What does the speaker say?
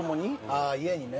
ああ家にね。